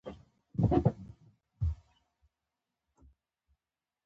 زما معلومات له مخې پایلوچان یوې پیړۍ تاریخ نه لري.